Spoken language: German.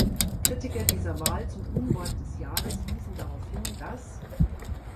Kritiker dieser Wahl zum Unwort des Jahres wiesen darauf hin, dass